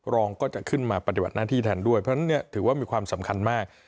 รองก็จะขึ้นมาปฏิบัติหน้าที่แทนด้วยเพราะฉะนั้นถือว่ามีความสำคัญมาก